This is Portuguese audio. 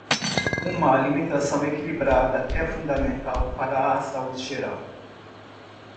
Uma alimentação equilibrada é fundamental para a saúde geral.